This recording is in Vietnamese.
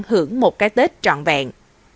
hưởng một cái tết trọn vẹn